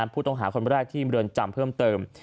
ผู้ต้องหาคนแรกที่เมืองจำเพิ่มเติม